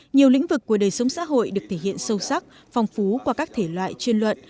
nhiều lĩnh vực của đời sống xã hội được thể hiện sâu sắc phong phú qua các thể loại chuyên luận